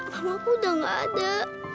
mamaku udah gak ada